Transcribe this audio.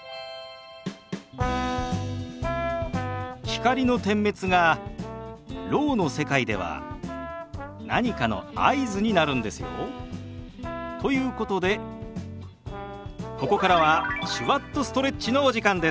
光の点滅がろうの世界では何かの合図になるんですよ。ということでここからは「手話っとストレッチ」のお時間です。